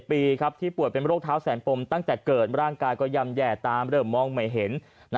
ปีที่ป่วยเป็นโรคเท้าแสนปมตั้งแต่เกิดร่างกายก็ย่ำแย่ตามเริ่มมองไม่เห็น